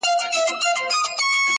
زما د افسانو د قهرمان حماسه ولیکه٫